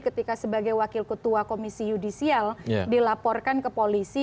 ketika sebagai wakil ketua komisi yudisial dilaporkan ke polisi